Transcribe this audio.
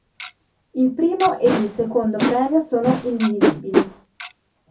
Il primo ed il secondo premio sono indivisibili.